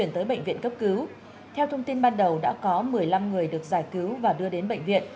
theo thông tin ban đầu đã có một mươi năm người được giải cứu và đưa đến bệnh viện